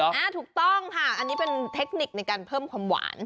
ถูกต้องค่ะอันนี้เป็นเทคนิคในการเพิ่มความหวาน